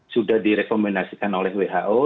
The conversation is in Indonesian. sudah direkomendasikan oleh who